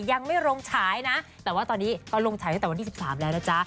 ยังไม่ลงฉายนะแต่ว่าตอนนี้ก็ลงฉายตั้งแต่วันที่๑๓แล้วนะจ๊ะ